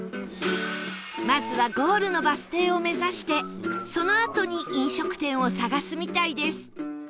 まずはゴールのバス停を目指してそのあとに飲食店を探すみたいです